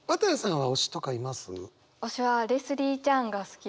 はい。